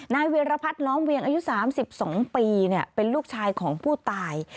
เวียรพัฒน์ล้อมเวียงอายุ๓๒ปีเป็นลูกชายของผู้ตาย